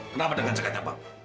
kenapa dengan jaketnya bang